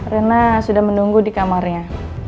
rena sudah menunggu di kamarnya